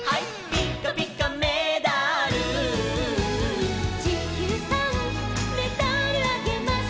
「ピッカピカメダル」「ちきゅうさんメダルあげます」